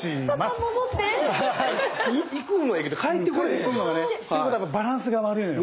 行くのはいいけど帰ってこれへん。ということはバランスが悪いのよ。